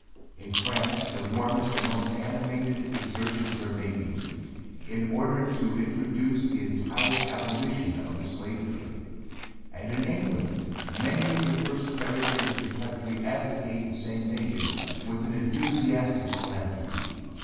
In France the warmest and most animated exertions are making, in order to introduce the entire abolition of the slave trade; and in England many of the first characters of the country advocate the same measure, with an enthusiastic philanthropy.